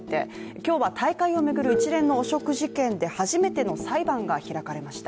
今日は大会を巡る一連の汚職事件で初めての裁判が開かれました。